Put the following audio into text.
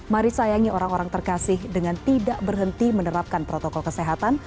mari sayangi orang orang terkasih dengan tidak berhenti menerapkan protokol kesehatan